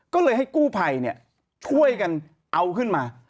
ก็เลยให้กู้ภัยช่วยกันเอาขึ้นมา